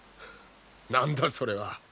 何だそれは。